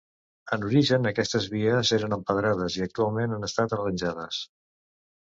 En origen aquestes vies eren empedrades i actualment han estat arranjades.